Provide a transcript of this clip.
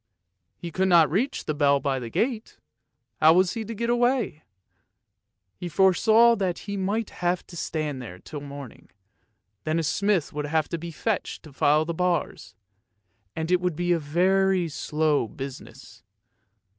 He could not reach the bell by the gate; how was he to get away. He foresaw that he might have to stand there till morning, then a smith would have to be fetched to file the bars, and it would be a very slow business.